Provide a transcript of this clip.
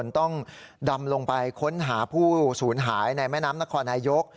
ต้องดำลงไปค้นหาผู้สูญหายในแม่น้ำนครนายก